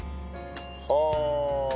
はあ！